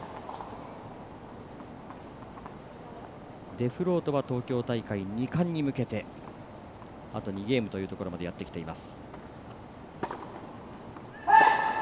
デフロートは東京大会２冠に向けてあと２ゲームというところまでやってきています。